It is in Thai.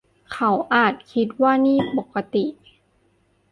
เขาอาจคิดว่านี่ปกติ